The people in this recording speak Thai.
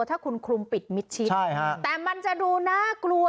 ถ้าคุณคลุมปิดมิดชิดแต่มันจะดูน่ากลัว